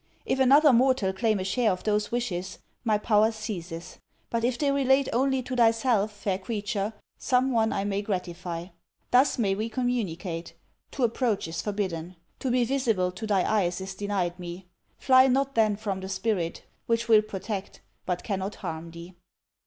If another mortal claim a share of those wishes, my power ceases; but if they relate only to thyself, fair creature, some one I may gratify. Thus may we communicate. To approach is forbidden. To be visible to thy eyes is denied me. Fly not then from the spirit, which will protect, but cannot harm, thee.'